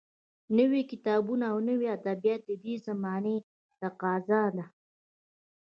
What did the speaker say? نوي کتابونه او نوي ادبیات د دې زمانې تقاضا ده